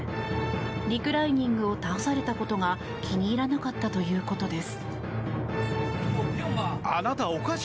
リクライニングを倒されたことが気に入らなかったということです。